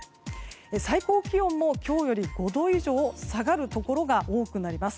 最高気温も今日より５度以上下がるところが多くなります。